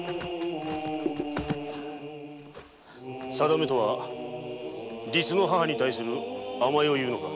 運命とは実の母に対する甘えを言うのか。